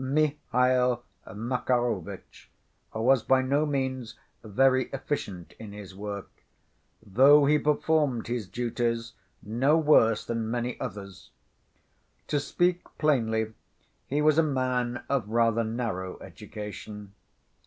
Mihail Makarovitch was by no means very efficient in his work, though he performed his duties no worse than many others. To speak plainly, he was a man of rather narrow education.